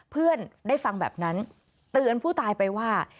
เพื่อนได้ฟังแบบนั้นเตือนผู้ตายไปว่า